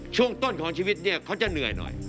ช่วงต้นของชีวิตเนี่ยเขาจะเหนื่อยหน่อย